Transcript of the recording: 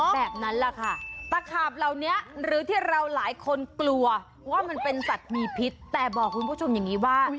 แบบนั้นแหละค่ะตะขาบเหล่านี้หรือที่เราหลายคนกลัวว่ามันเป็นสัตว์มีพิษแต่บอกคุณผู้ชมอย่างนี้ว่า